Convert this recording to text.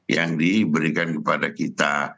yang diberikan kepada kita